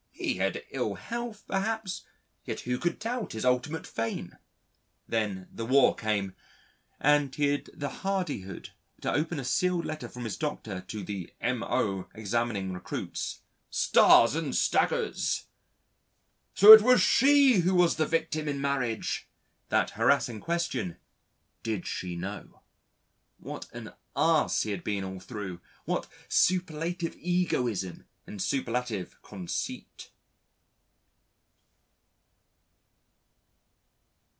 He had ill health perhaps, yet who could doubt his ultimate fame? Then the War came, and he had the hardihood to open a sealed letter from his Doctor to the M.O. examining recruits.... Stars and staggers!! So it was she who was the victim in marriage! That harassing question: Did she know? What an ass he had been all through, what superlative egoism and superlative conceit!